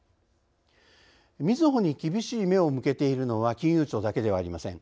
みずほに厳しい目を向けているのは金融庁だけではありません。